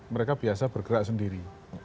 mereka biasa bergerak sendiri